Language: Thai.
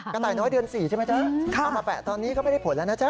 ต่ายน้อยเดือน๔ใช่ไหมจ๊ะเอามาแปะตอนนี้ก็ไม่ได้ผลแล้วนะจ๊